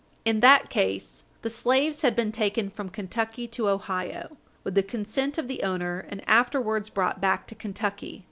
In that case, the slaves had been taken from Kentucky to Ohio, with the consent of the owner, and afterwards brought back to Kentucky.